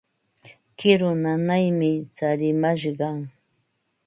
Kiru nanaymi tsarimashqan.